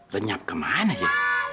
renyap kemana ya